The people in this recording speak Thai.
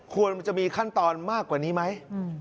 ควรจะมีขั้นตอนมากกว่านี้ไหม